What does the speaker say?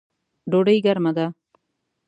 ډوډۍ ګرمه ده